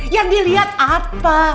yang dilihat apa